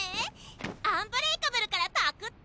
アンブレイカブルからパクった。